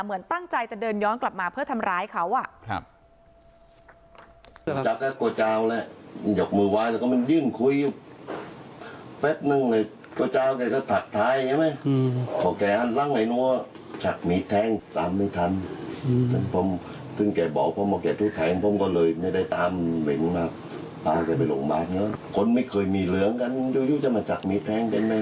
เหมือนตั้งใจจะเดินย้อนกลับมาเพื่อทำร้ายเขา